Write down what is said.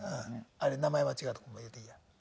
あれ名前間違うとこも入れていいや。